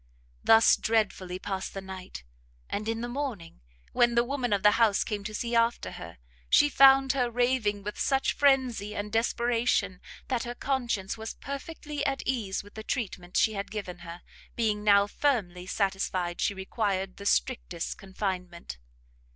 Thus dreadfully passed the night; and in the morning, when the woman of the house came to see after her, she found her raving with such frenzy, and desperation, that her conscience was perfectly at ease in the treatment she had given her, being now firmly satisfied she required the strictest confinement.